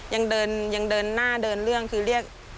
ยังเดินยังเดินหน้าเดินเรื่องคือเรียก